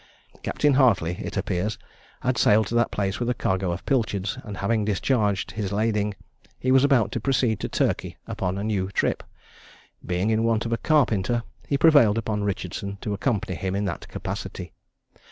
Capt. Hartley, it appears, had sailed to that place with a cargo of pilchards, and having discharged his lading, he was about to proceed to Turkey upon a new trip. Being in want of a carpenter, he prevailed upon Richardson to accompany him in that capacity.